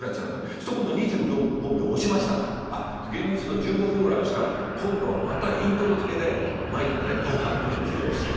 すると今度２５秒押しましたからあっ厳密に言うと１５秒ぐらいですから今度はまたイントロづけでマイクでね「冠二郎さん